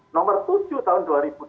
nomor tujuh tahun dua ribu dua puluh